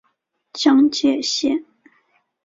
江界线